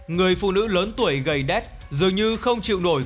người phụ nữ lớn tuổi gầy đét dường như không chịu nổi